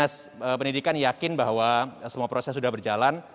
saya yakin bahwa semua proses sudah berjalan